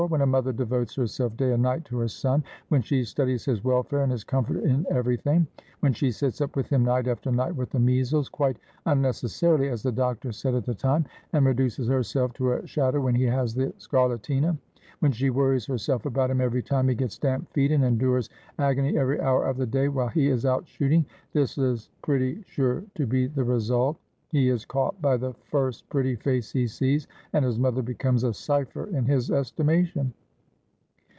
When a mother devotes herself day and night to her son ; when she studies his welfare and his comfort in everything ; when she sits up with him night aft^r night with the measles — quite unnecessarily, as the doctor said at the time — and reduces herself to a shadow when he has the scarlatina ; when she worries herself about him every time he gets damp feet, and endures agony every hour of the day while he is out shooting ; this is pretty sure to be the result. He is caught by the first pretty face he sees, and his mother becomes a cipher in his estimation.'